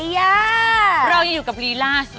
พลาดไม่ได้เพราะว่าเรายังอยู่กับกีฬาลีลาส